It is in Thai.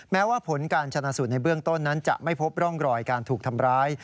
แม้ว่าผลการชนะสูตรในเบื้องต้นนั้นจะไม่พบร่องรอยการถูกทำร้าย